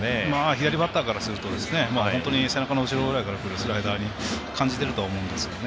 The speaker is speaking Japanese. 左バッターからすると背中の後ろくらいからくるスライダーに感じていると思います。